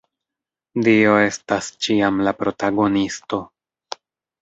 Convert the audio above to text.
Dio estas ĉiam la protagonisto.